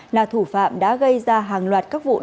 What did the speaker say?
là thủ phạm đã gây ra hàng loạt các vụ đột nhập